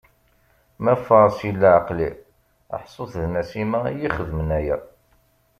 Ma ffɣeɣ seg leɛqel-iw ḥṣut d Nasima i yi-xedmen akka.